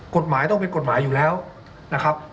กฎหมายต้องเป็นกฎหมายอยู่แล้วนะครับ